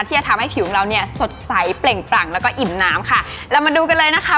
ที่จะทำให้ผิวของเราเนี่ยสดใสเปล่งปรั่งแล้วก็อิ่มน้ำค่ะเรามาดูกันเลยนะคะ